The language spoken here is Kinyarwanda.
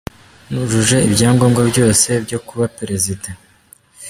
Nujuje ibyangombwa byose byo kuba Perezida”.